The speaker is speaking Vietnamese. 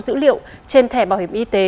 dữ liệu trên thẻ bảo hiểm y tế